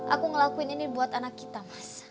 aku ngelakuin ini buat anak kita mas